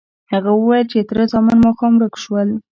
هغه وویل چې تره زامن ماښام ورک شول.